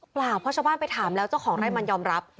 เพราะชาวบ้านไปถามแล้วเจ้าของไร่มันยอมรับ